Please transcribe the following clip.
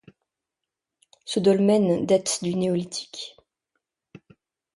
Ce dolmen date du Néolithique.